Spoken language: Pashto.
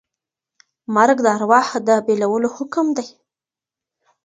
مرګ د ارواح د بېلولو حکم دی.